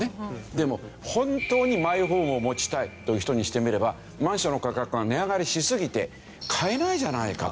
でも本当にマイホームを持ちたいという人にしてみればマンションの価格が値上がりしすぎて買えないじゃないかと。